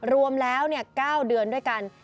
รวมแล้ว๙เดือนด้วยกัน